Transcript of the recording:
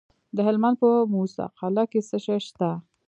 د هلمند په موسی قلعه کې څه شی شته؟